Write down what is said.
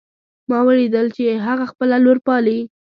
ما ولیدل چې هغه خپله لور پالي